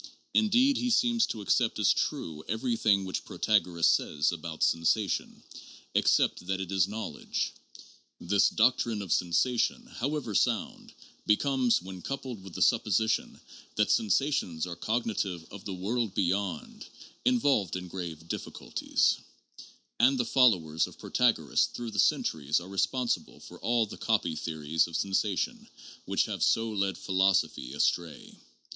Indeed he seems to accept as true everything which Protagoras says about sensation, except that it is knowledge. This doctrine of sensation, however sound, becomes, when coupled with the supposition that sensations are cognitive of the world be yond, involved in grave difficulties ; and the followers of Protagoras through the centuries are responsible for all the copy theories of sensation which have so led philosophy astray.